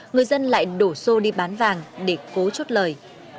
người dân lại đổ xô đi bán vàng để cố chốt lời